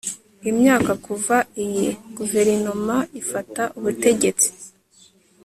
imyaka kuva iyi guverinoma ifata ubutegetsi